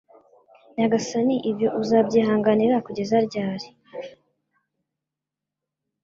Nyagasani ibyo uzabyihanganira kugeza ryari?